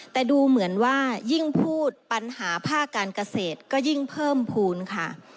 แต่ดูเหมือนว่ายิ่งพูดปัญหาภาคการเกษตรก็ยิ่งเพิ่มภูมิค่ะ